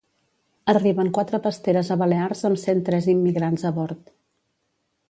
Arriben quatre pasteres a Balears amb cent tres immigrants a bord.